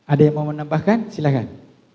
ada yang mau menambahkan silahkan